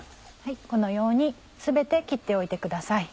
このように全て切っておいてください。